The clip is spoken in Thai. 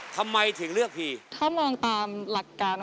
กับคำเป็นจริงของแพงก็คือ